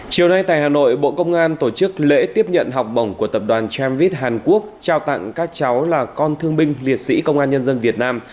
chiều nay tại hà nội bộ công an tổ chức lễ tiếp nhận học bổng của tập đoàn tramvit hàn quốc trao tặng các cháu là con thương binh liệt sĩ công an nhân dân việt nam